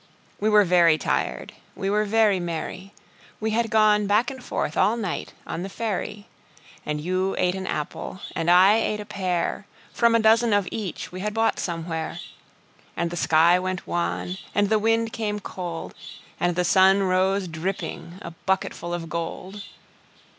We were very tired, we were very merry We had gone back and forth all night on the ferry, And you ate an apple, and I ate a pear, From a dozen of each we had bought somewhere; And the sky went wan, and the wind came cold, And the sun rose dripping, a bucketful of gold.